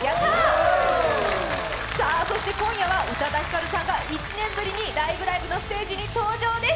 そして今夜は宇多田ヒカルさんが１年ぶりに「ライブ！ライブ！」のステージに登場です。